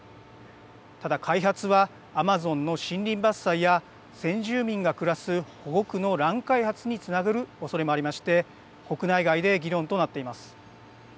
ただ開発はアマゾンの森林伐採や先住民が暮らす保護区の乱開発につながるおそれもありまして国内外で議論となっています。